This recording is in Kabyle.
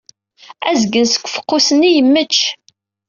Azgen seg ufeqqus-nni yemmecc.